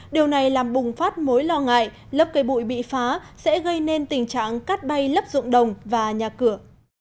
điều này làm bùng phát mối lo ngại lấp cây bụi bị phá sẽ gây nên tình trạng cắt bay lấp dụng đồng và nhà cửa